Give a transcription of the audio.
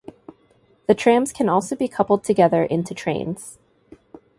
The trams can also be coupled together into trains.